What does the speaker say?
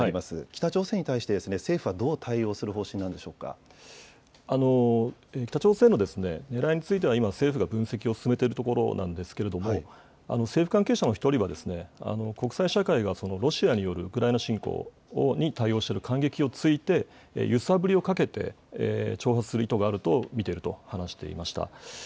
北朝鮮に対して、政府はどう対応北朝鮮のねらいについては今、政府が分析を進めているところなんですけれども、政府関係者の一人は、国際社会がロシアによるウクライナ侵攻に対応している間隙をついて、揺さぶりをかけて、挑発する意図があると見ていると話していました。